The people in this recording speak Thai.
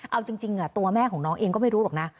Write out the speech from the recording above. เอาจริงตัวแม่ของน้องเองก็ไม่รู้หรอกนะ